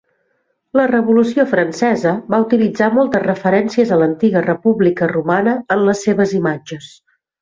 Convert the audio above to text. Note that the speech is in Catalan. La Revolució Francesa va utilitzar moltes referències a l'antiga República romana en les seves imatges.